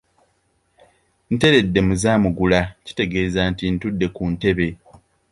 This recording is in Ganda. Nteredde mu za Mugula; kitegeeza nti ntudde ku ntebe.